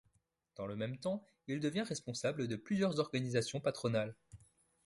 Dans le même temps, il devient responsable de plusieurs organisations patronales.